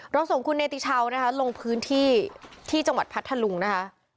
ส่งคุณเนติชาวนะคะลงพื้นที่ที่จังหวัดพัทธลุงนะคะ